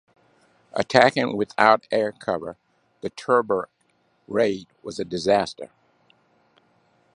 Attacking without air cover, the Tobruk raid was a disaster.